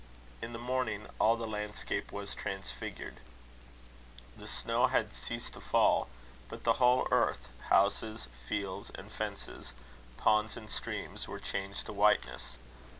In the morning, all the landscape was transfigured. The snow had ceased to fall; but the whole earth, houses, fields, and fences, ponds and streams, were changed to whiteness.